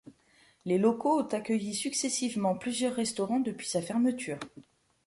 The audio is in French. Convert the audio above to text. Les locaux ont accueilli successivement plusieurs restaurants depuis sa fermeture.